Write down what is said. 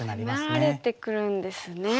迫られてくるんですね。